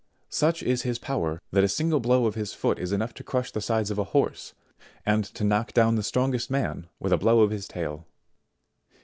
Such is his power that a single blow of his foot is enough to crush the sides of a horse, and to knock down the strongest man with a blow of his tail.